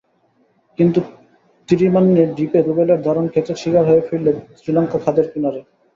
কিন্তু থিরিমান্নে ডিপে রুবেলের দারুণ ক্যাচের শিকার হয়ে ফিরলে শ্রীলঙ্কা খাদের কিনারে।